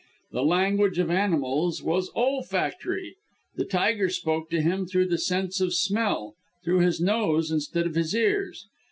The language of animals was olfactory. The tiger spoke to him through the sense of smell through his nose instead of his ears.